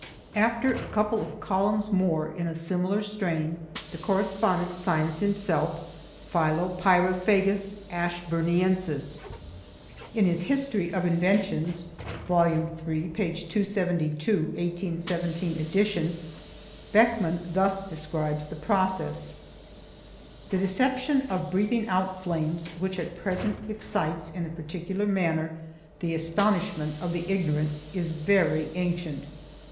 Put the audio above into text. After a couple of columns more in a similar strain, the correspondent signs himself Philopyraphagus Ashburniensis. In his History of Inventions, Vol. III, page 272, 1817 edition, Beckmann thus describes the process: The deception of breathing out flames, which at present excites, in a particular manner, the astonishment of the ignorant, is very ancient.